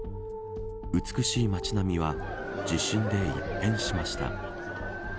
美しい街並みは地震で一変しました。